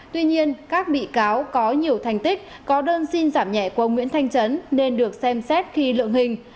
tuy nhiên các bị cáo có nhiều thành tích có đơn xin giảm nhẹ của ông nguyễn thanh trấn nên được xem xét khi lượng hình